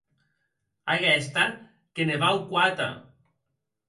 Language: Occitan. Aguesta que ne vau quate!